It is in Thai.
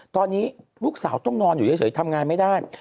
ตอนนี้ลูกสาวต้องนอนอยู่เฉยทำงานไม่ได้